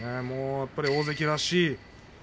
やっぱり大関らしい。